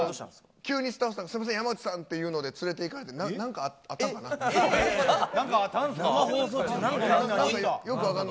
急に、スタッフさん、山内さんって言うんで連れていかれて、なんかあったんかな。